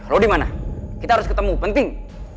lo dimana kita harus ketemu penting